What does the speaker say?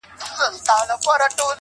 په زبر زير چې شې د مينې د ســــزا نه خبر